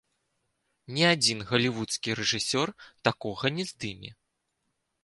Ні адзін галівудскі рэжысёр такога не здыме.